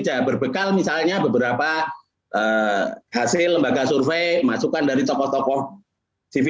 jadi sebelum diselesaikan apakah usahaiset apa tidak bisa diterangki di setiap action untuk menutupi